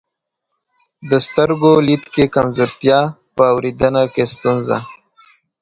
د سترګو لید کې کمزورتیا، په اورېدنه کې ستونزه،